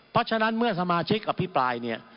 เพราะฉะนั้นเมื่อสมาชิกอภิปรายเนี่ย